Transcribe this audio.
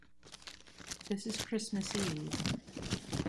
This is Christmas Eve.